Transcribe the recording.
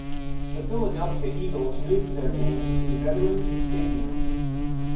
The Philadelphia Eagles moved their games to Veterans Stadium.